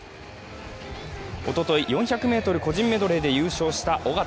おととい４００ｍ個人メドレーで優勝した小方。